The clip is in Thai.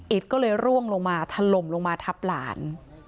ก็เลยร่วงลงมาถล่มลงมาทับหลาน